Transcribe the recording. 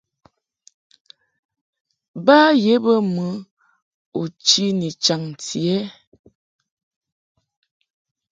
Ba ye bə mɨ u chi ni chaŋti ɛ ?